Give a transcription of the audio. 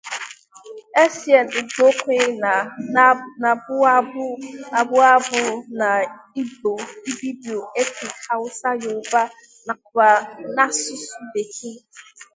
Essien-Igbokwe na-abụ abụ ya n' Igbo, Ibibio, Efik, Hausa, Yoruba nakwa n'asụsụ Bekee.